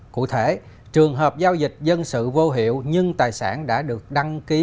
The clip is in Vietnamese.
cụ thể trường hợp giao dịch dân sự vô hiệu nhưng tài sản đã được đăng ký